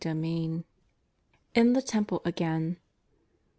XII. IN THE TEMPLE AGAIN.